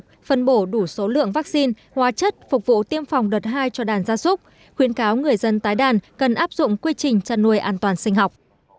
phân bổ đủ số lượng vaccine hóa chất phục vụ tiêm phòng đợt hai cho đàn gia súc khuyến cáo người dân tái đàn cần áp dụng quy trình chăn nuôi an toàn sinh học